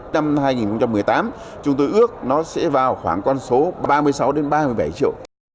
năm hai nghìn một mươi tám chúng tôi ước nó sẽ vào khoảng con số ba mươi sáu ba mươi bảy triệu